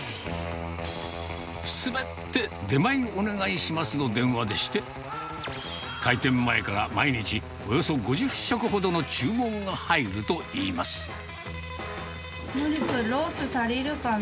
すべて出前お願いしますの電話でして、開店前から毎日およそ５０食ほどの注文が入るといいまのり君、ロース足りるかな？